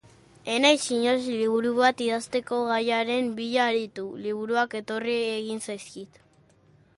Ez naiz inoiz liburu bat idazteko gaiaren bila aritu, liburuak etorri egin zaizkit.